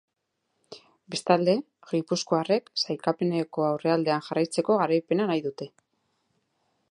Bestalde, gipuzkoarrek sailkapeneko aurrealdean jarraitzeko garaipena nahi dute.